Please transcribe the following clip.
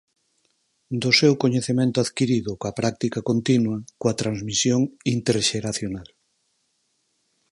Do seu coñecemento adquirido coa práctica continua, coa transmisión interxeracional.